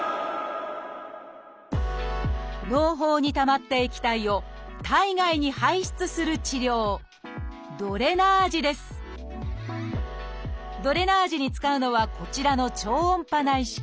のう胞にたまった液体を体外に排出する治療ドレナージに使うのはこちらの「超音波内視鏡」